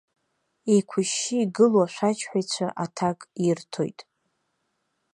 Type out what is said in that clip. Еиқәышьшьы игылоу ашәаџьҳәаҩцәа аҭак ирҭоит.